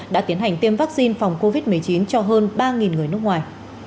đã tiến hành tiêm vaccine phòng covid một mươi chín cho hơn ba người nước ngoài